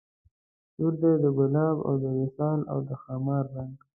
سور دی د ګلاب او د وصال او د خمار رنګ